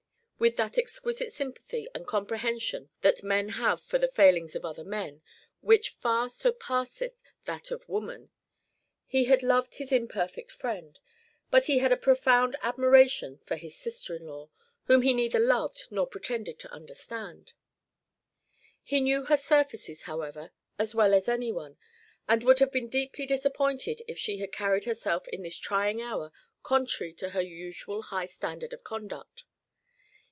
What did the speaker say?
With that exquisite sympathy and comprehension that men have for the failings of other men, which far surpasseth that of woman, he had loved his imperfect friend, but he had a profound admiration for his sister in law, whom he neither loved nor pretended to understand. He knew her surfaces, however, as well as any one, and would have been deeply disappointed if she had carried herself in this trying hour contrary to her usual high standard of conduct.